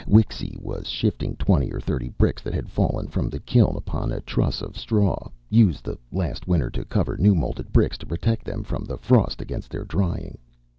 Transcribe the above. Wixy was shifting twenty or thirty bricks that had fallen from the kiln upon a truss of straw, used the last winter to cover new moulded bricks to protect them from the frost against their drying.